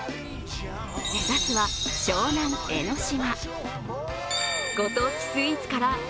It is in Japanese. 目指すは湘南・江の島。